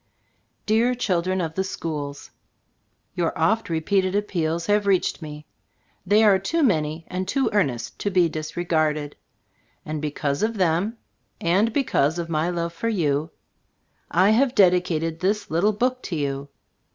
Dear Children of tke Sckoola : Your oft repeated appeals have reached me. They are too many and too earnest to be disregarded; and because of them, and because of my love for you, I have dedicated .this little book to you.